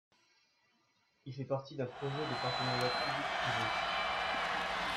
Il fait partie d'un projet de partenariat public privé.